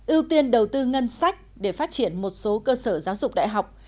ưu tiên đầu tư ngân sách để phát triển một số cơ sở giáo dục đại học